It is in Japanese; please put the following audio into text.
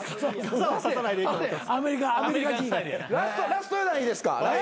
ラスト余談いいですか？